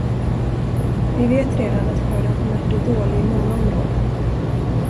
Vi vet redan att skörden kommer att bli dålig i många områden.